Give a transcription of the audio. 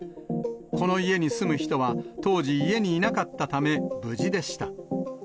この家に住む人は、当時、家にいなかったため、無事でした。